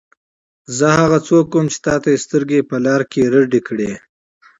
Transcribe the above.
زه هغه څوک وم چې تا ته یې سترګې په لار تېرې کړې.